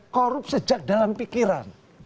korup sejak dalam pikiran